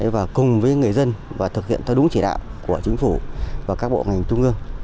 và cùng với người dân và thực hiện theo đúng chỉ đạo của chính phủ và các bộ ngành trung ương